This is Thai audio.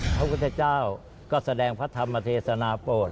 พระพุทธเจ้าก็แสดงพระธรรมเทศนาโปรด